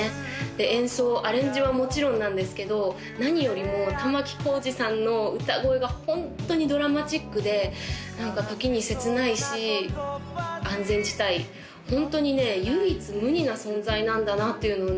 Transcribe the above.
演奏アレンジはもちろんなんですけど何よりも玉置浩二さんの歌声がホントにドラマチックで何か時に切ないし安全地帯ホントにね唯一無二な存在なんだなっていうのをね